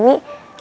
umi sehat kan umi